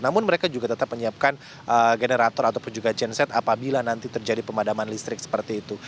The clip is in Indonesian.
namun mereka juga tetap menyiapkan generator ataupun juga genset apabila nanti terjadi pemadaman listrik seperti itu